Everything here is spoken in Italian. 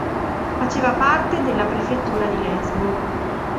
Faceva parte della Prefettura di Lesbo.